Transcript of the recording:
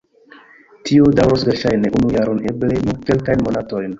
Tio daŭros verŝajne unu jaron, eble nur kelkajn monatojn...